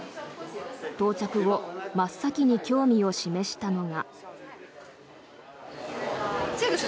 到着後真っ先に興味を示したのが。